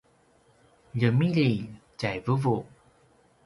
ljemilji tjai vuvu